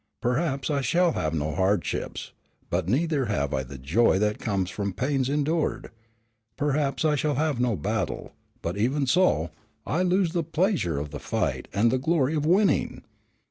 Perhaps I shall have no hardships, but neither have I the joy that comes from pains endured. Perhaps I shall have no battle, but even so, I lose the pleasure of the fight and the glory of winning.